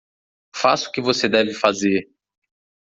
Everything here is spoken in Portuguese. Faça o que você deve fazer